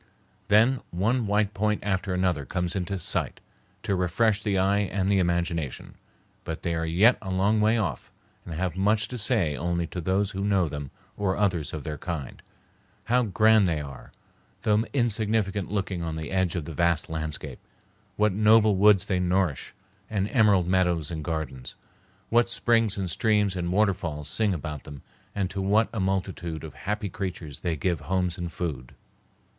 Then one white point after another comes into sight to refresh the eye and the imagination; but they are yet a long way off, and have much to say only to those who know them or others of their kind. How grand they are, though insignificant looking on the edge of the vast landscape! What noble woods they nourish, and emerald meadows and gardens! What springs and streams and waterfalls sing about them and to what a multitude of happy creatures they give homes and food!